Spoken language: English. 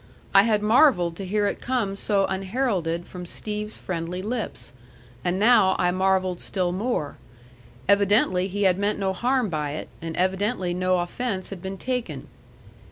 I had marvelled to hear it come so unheralded from Steve's friendly lips. And now I marvelled still more. Evidently he had meant no harm by it, and evidently no offence had been taken.